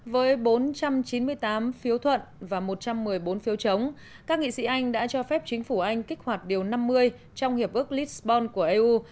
với bốn trăm chín mươi tám phiếu thuận và một trăm một mươi bốn phiếu chống các nghị sĩ anh đã cho phép chính phủ anh kích hoạt điều năm mươi trong hiệp ước lisbon của eu